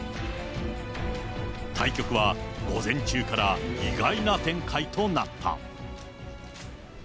対局は午前中から意外な展開となった。